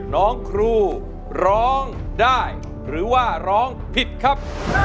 น้องครูร้องได้หรือว่าร้องผิดครับ